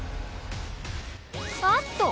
あっと！